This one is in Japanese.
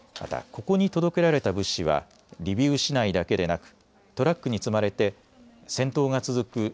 ただ、ここに届けられた物資はリビウ市内だけでなくトラックに積まれて戦闘が続く